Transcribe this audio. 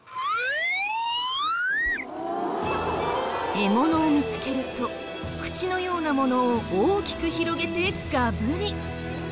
獲物を見つけると口のようなものを大きく広げてガブリ。